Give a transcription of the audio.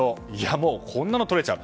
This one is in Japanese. もうこんなの撮れちゃう。